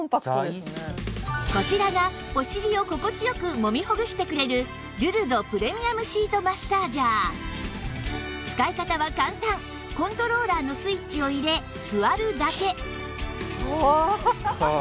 こちらがお尻を心地良くもみほぐしてくれる使い方は簡単コントローラーのスイッチを入れ座るだけ